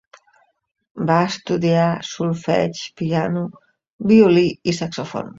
Va estudiar solfeig, piano, violí i saxòfon.